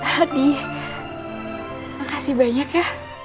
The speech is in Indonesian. adi makasih banyak ya